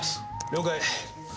了解。